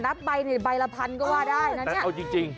รับใบใบละพันก็ว่าได้นะเนี่ยแล้วจริง